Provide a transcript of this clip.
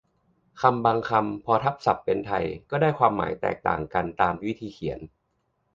คำบางคำ พอทับศัพท์เป็นไทยก็ได้ความหมายแตกต่างกันตามวิธีเขียน